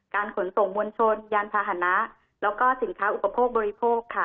ขนส่งมวลชนยานพาหนะแล้วก็สินค้าอุปโภคบริโภคค่ะ